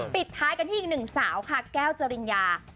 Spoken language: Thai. ปิดท้ายกันที่อีกหนึ่งสาวค่ะแก้วจริญญา